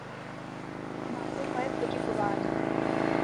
Máte moje poděkování.